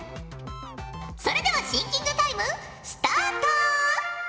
それではシンキングタイムスタート！